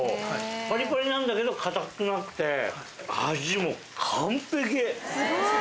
パリパリなんだけど硬くなくて味も完璧！